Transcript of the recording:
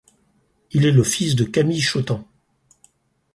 Il est le fils de Camille Chautemps.